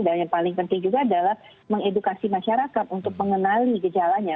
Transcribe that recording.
dan yang paling penting juga adalah mengedukasi masyarakat untuk mengenali gejalanya